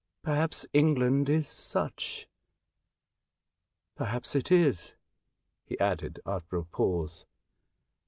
Perhaps England is such — perhaps it is," he added, after a pause.